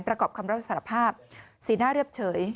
ประกอบคำรับสารภาพสีหน้าเรียบเฉย